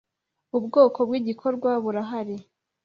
Ubwoko bw’ igikorwa burahari.